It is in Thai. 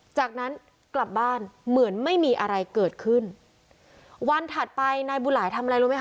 จากนั้นกลับบ้านเหมือนไม่มีอะไรเกิดขึ้นวันถัดไปนายบุหลายทำอะไรรู้ไหมค